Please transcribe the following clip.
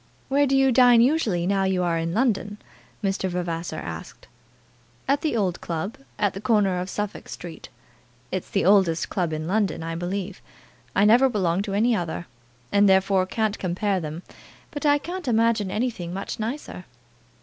"Where do you dine usually, now you are in London?" Mr. Vavasor asked. "At the old club, at the corner of Suffolk Street. It's the oldest club in London, I believe. I never belonged to any other, and therefore can't compare them; but I can't imagine anything much nicer."